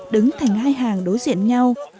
đứng thành hai hàng đối diện nhau